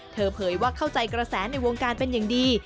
เผยว่าเข้าใจกระแสในวงการเป็นอย่างดี